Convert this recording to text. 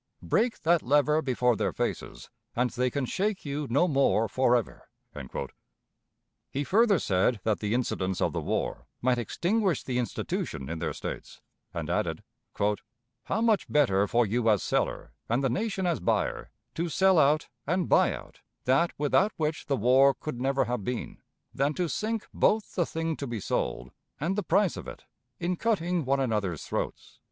Break that lever before their faces, and they can shake you no more for ever." He further said that the incidents of the war might extinguish the institution in their States, and added: "How much better for you as seller and the nation as buyer to sell out and buy out that without which the war could never have been, than to sink both the thing to be sold and the price of it in cutting one another's throats!"